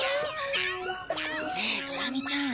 ねえ、ドラミちゃん